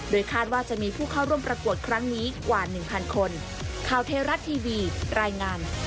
คาดว่าจะมีผู้เข้าร่วมประกวดครั้งนี้กว่า๑๐๐คน